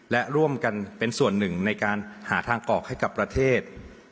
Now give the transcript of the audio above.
และร่วมกันเป็นส่วนหนึ่งในการหาทางออกให้กับประเทศ